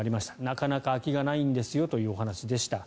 なかなか空きがないんですよというお話でした。